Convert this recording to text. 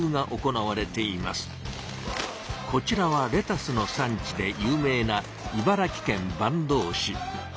こちらはレタスの産地で有名な茨城県坂東市。